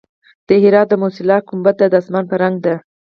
د هرات د موسیلا ګنبد د اسمان په رنګ دی